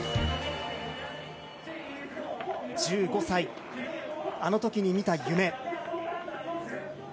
１５歳、あの時に見た夢。